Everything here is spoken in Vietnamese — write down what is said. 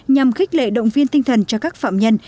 nhằm khích lệ động viên tinh thần cho các phạm nhân